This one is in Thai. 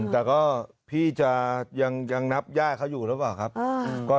แต่ก็พี่จะยังนับย่าเขาอยู่หรือเปล่าครับ